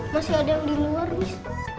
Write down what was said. masih ada yang di luar mas